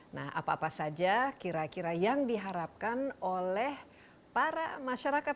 nah apa apa saja kira kira yang diharapkan oleh para masyarakat